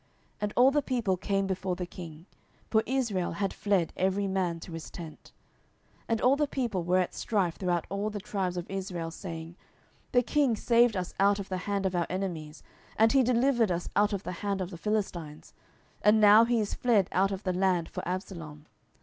And all the people came before the king: for Israel had fled every man to his tent. 10:019:009 And all the people were at strife throughout all the tribes of Israel, saying, The king saved us out of the hand of our enemies, and he delivered us out of the hand of the Philistines; and now he is fled out of the land for Absalom.